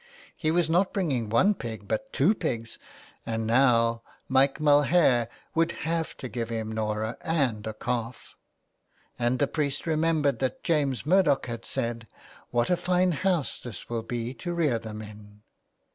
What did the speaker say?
He was not bringing one pig, but two pigs, and now Mike Mulhare would have to give him Norah and a calf; and the priest remembered that James Murdoch had said —" What a fine house this will be to rear them in."